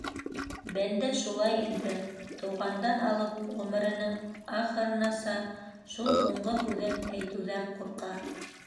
Бәндә шулай инде: тыуғандан алып ғүмеренең ахырынаса шул «һуңғы» һүҙен әйтеүҙән ҡурҡа.